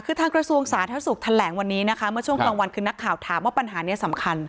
คือทางกระทรวงสาธารณสุขแถลงวันนี้นะคะเมื่อช่วงกลางวันคือนักข่าวถามว่าปัญหานี้สำคัญ